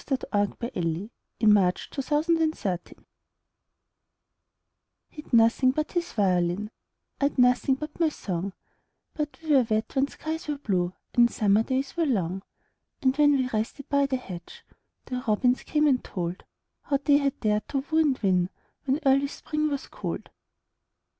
By Mary KyleDallas 1181 He 'd Nothing but His Violin HE 'D nothing but his violin,I 'd nothing but my song, But we were wed when skies were blueAnd summer days were long; And when we rested by the hedge, The robins came and toldHow they had dared to woo and win, When early Spring was cold.